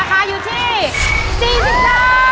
ราคาอยู่ที่๔๐บาท